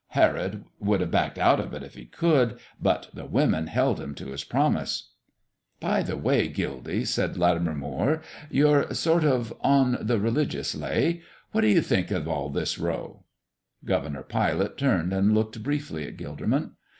Herod would have backed out if he could, but the women held him to his promise." "By the way, Gildy," said Latimer Moire, "you're sort of on the religious lay; what do you think of all this row?" Governor Pilate turned and looked briefly at Gilderman.